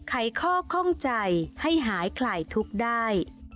ไขข้อข้องใจให้หายคลายทุกข์ได้